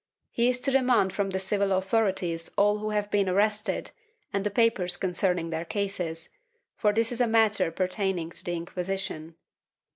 He is to demand from the civil authorities all who have been arrested and the papers concerning their cases, for this is a matter pertaining to the Inquisition.'